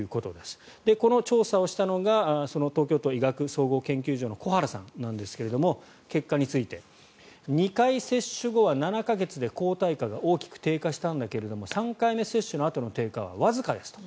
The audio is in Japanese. この調査をしたのが東京都医学総合研究所の小原さんなんですが結果について２回接種後は７か月で抗体価が大きく低下していたが３回目接種のあとの低下はわずかですと。